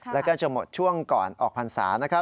แล้วก็จะหมดช่วงก่อนออกพรรษานะครับ